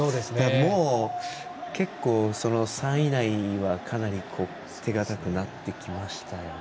もう結構、３位以内はかなり手堅くなってきましたよね。